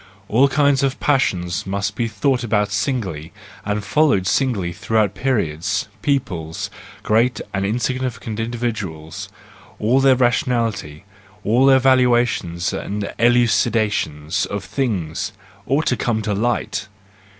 All kinds of passions must be thought about singly, and followed singly throughout periods, peoples, great and insignificant individuals ; all their ration¬ ality, all their valuations and elucidations of things, ought to come to light!